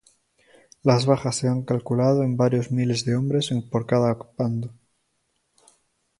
Las bajas se han calculado en varios miles de hombres por cada bando.